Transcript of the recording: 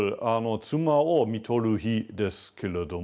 「妻を看取る日」ですけれども。